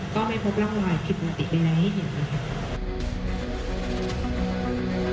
ก็ไม่พบร่องรอยผิดปกติอะไรให้เห็น